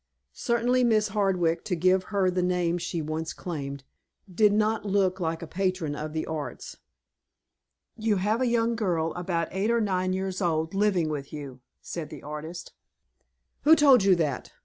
Certainly, Mrs. Hardwick, to give her the name she once claimed, did not look like a patron of the arts. "You have a young girl, about eight or nine years old, living with you," said the artist. "Who told you that?"